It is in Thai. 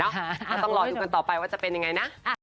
ต้องรอดูกันต่อไปว่าจะเป็นยังไงนะ